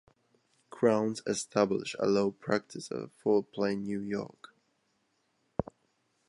Crounse established a law practice at Fort Plain, New York.